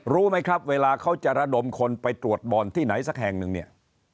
รู้ไหมครับเวลาเขาจะระดมคนไปตรวจบอลที่ไหนสักแห่งหนึ่งเนี่ย